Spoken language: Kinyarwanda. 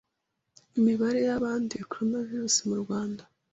Imibare y'abanduye Coronavirus mu Rwanda